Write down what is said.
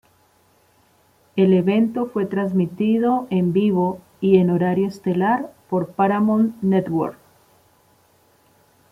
El evento fue transmitido en vivo y en horario estelar por Paramount Network.